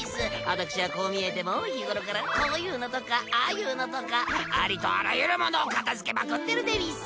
私はこう見えても日頃からこういうのとかああいうのとかありとあらゆるものを片づけまくってるでうぃす。